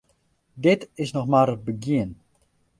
Dit is noch mar it begjin.